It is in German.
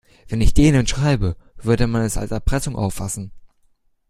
Wenn ich denen schreibe, würde man es als Erpressung auffassen.